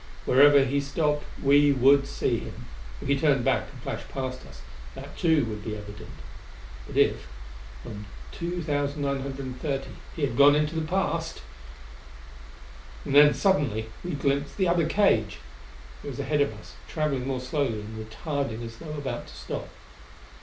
Whenever he stopped, we would see him. If he turned back and flashed past us, that too would be evident. But if, from 2,930, he had gone into the past !And then suddenly we glimpsed the other cage! It was ahead of us, traveling more slowly and retarding as though about to stop.